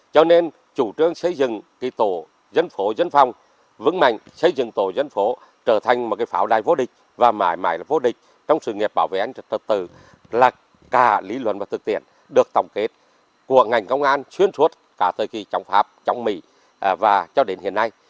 cho nên chủ trương xây dựng tổ dân phổ dân phòng vững mạnh xây dựng tổ dân phổ trở thành một cái pháo đai vô địch và mãi mãi là vô địch trong sự nghiệp bảo vệ an ninh trật tự là cả lý luận và thực tiện được tổng kết của ngành công an xuyên suốt cả thời kỳ trong pháp trong mỹ và cho đến hiện nay